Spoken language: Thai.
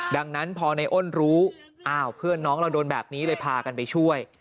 ดังนั้นพอในอ้นรู้อ้าวเพื่อนน้องเราโดนแบบนี้เลยพากันไปช่วย